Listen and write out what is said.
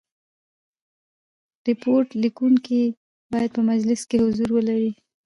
ریپورټ لیکوونکی باید په مجلس کي حضور ولري.